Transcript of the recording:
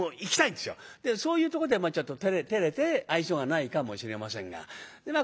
そういうとこでちょっと照れて愛想がないかもしれませんが。